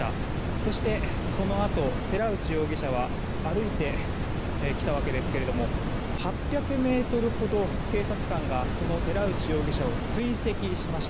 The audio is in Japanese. そして、そのあと寺内容疑者は歩いてきたわけですが８００ｍほど警察官がその寺内容疑者を追跡しました。